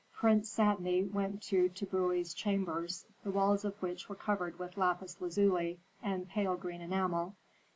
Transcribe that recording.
"Prince Satni went to Tbubui's chambers, the walls of which were covered with lapis lazuli and pale green enamel.